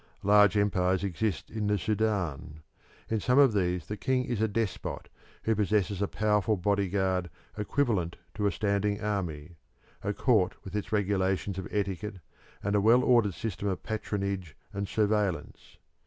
Large empires exist in the Sudan. In some of these the king is a despot who possesses a powerful bodyguard equivalent to a standing army, a court with its regulations of etiquette, and a well ordered system of patronage and surveillance.